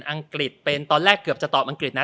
อังกฤษเป็นตอนแรกเกือบจะตอบอังกฤษนะ